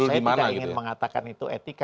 menurut saya saya tidak ingin mengatakan itu etika